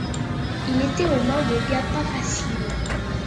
Il était aux mains de gars pas faciles.